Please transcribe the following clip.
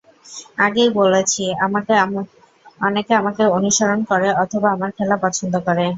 আগেই বলেছি, অনেকে আমাকে অনুসরণ করে অথবা আমার খেলা পছন্দ করে।